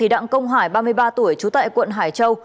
đặng công hải ba mươi ba tuổi trú tại quận hải châu